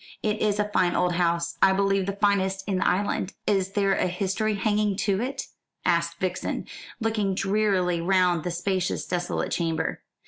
It is a fine old house. I believe the finest in the island." "Is there a history hanging to it?" asked Vixen, looking drearily round the spacious desolate chamber.